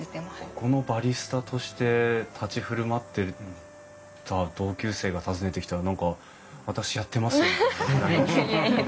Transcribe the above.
ここのバリスタとして立ち振る舞って同級生が訪ねてきたら何か「私やってます」みたいな。